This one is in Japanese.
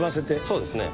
そうですね。